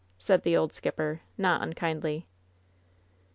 said the old skipper, not unkindly.